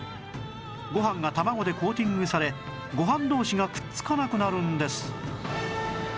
ご飯が卵でコーティングされご飯同士がくっつかなくなるんです